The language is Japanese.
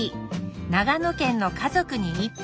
長野県の「家族に一杯」